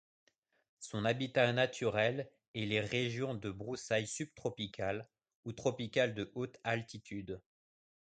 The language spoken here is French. Son habitat naturel est les régions de broussailles subtropicales ou tropicales de haute altitude.